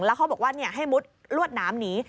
แล้วเขาบอกว่าให้มุดลวดหนามหนี